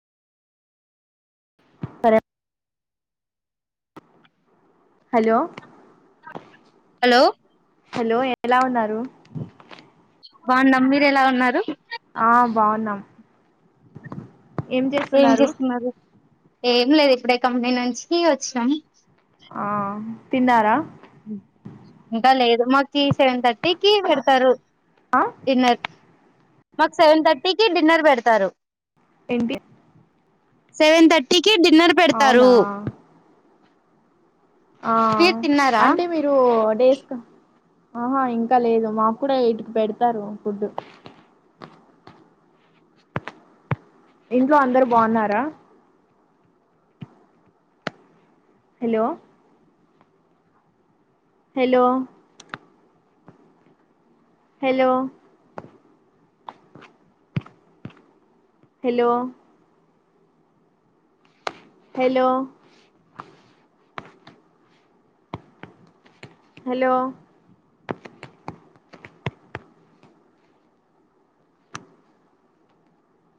hello hello hello ఎలా ఉన్నారు బాగున్నాం మీరు ఎలా ఉన్నారు ఆ బాగున్నాం ఏం చేస్తున్నారు ఏం లేదు ఇప్పుడే కంపెనీ నుంచి వచ్చినాం ఆ తిన్నారా ఇంకా లేదు మాకి సెవెన్ థర్టీ కి పెడతారు ఆ డిన్నర్ మాకు సెవెన్ థర్టీకి డిన్నర్ పెడతారు ఎంటి సెవెన్ థర్టీకి డిన్నర్ అవునా పెడతారు ఆ మీరు తిన్నారా అంటే మీరు ఆహా ఇంక లేదు మాకు కూడ ఎట్ పెడతారు ఫుడ్డు ఇంట్లో అందరు బాన్నార hello hello hello hello hello hello